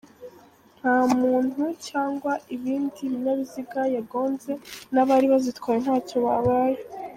Nta muntu cyangwa ibindi binyabiziga yagonze n’abari bazitwaye ntacyo babaye.